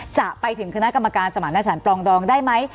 จะไปถึงคณะกรรมการสมรรถสารปลองดองได้ไหม